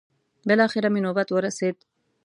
بلاخره مې نوبت ورسېد.